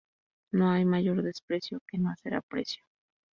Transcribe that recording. No hay mayor desprecio que no hacer aprecio